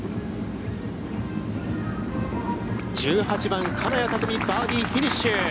１８番、金谷拓実、バーディーフィニッシュ。